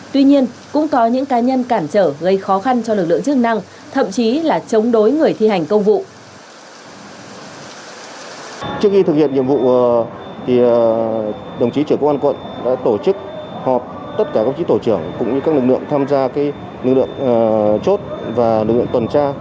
tuy nhiên cũng có những cá nhân cản trở gây khó khăn cho lực lượng chức năng